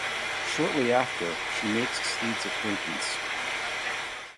Shortly after, she makes Steed's acquaintance.